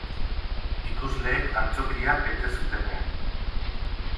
Ikusleek antzokia bete zutenean.